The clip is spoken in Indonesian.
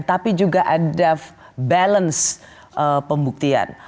tapi juga ada balance pembuktian